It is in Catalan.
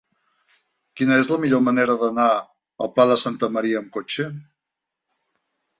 Quina és la millor manera d'anar al Pla de Santa Maria amb cotxe?